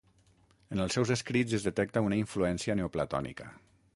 En els seus escrits es detecta una influència neoplatònica.